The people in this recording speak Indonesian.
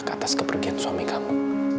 atas kepergian suami kamu